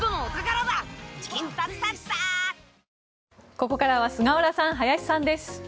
ここからは菅原さん、林さんです。